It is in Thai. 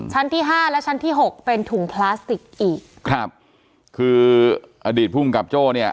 ชั้นที่ห้าและชั้นที่หกเป็นถุงพลาสติกอีกครับคืออดีตภูมิกับโจ้เนี่ย